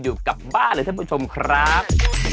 อยู่กลับบ้านเลยท่านผู้ชมครับ